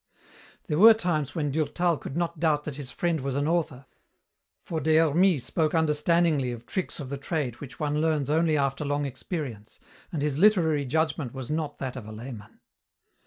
There were times when Durtal could not doubt that his friend was an author, for Des Hermies spoke understandingly of tricks of the trade which one learns only after long experience, and his literary judgment was not that of a layman.